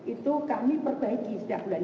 itu kami perbaiki setiap bulan